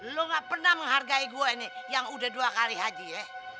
lu gak pernah menghargai gue ini yang udah dua kali haji ya